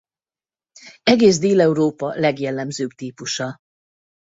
Egész Dél-Európa legjellemzőbb típusa.